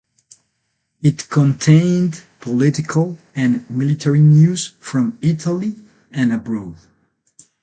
It contained political and military news from Italy and abroad.